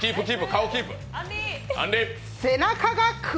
顔キープ。